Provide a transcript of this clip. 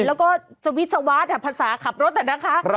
แล้วก็จะวิษัทภาษาขับรถด้วยนะคะ